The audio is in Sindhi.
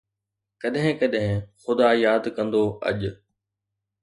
ڪڏھن ڪڏھن خدا ياد ڪندو اڄ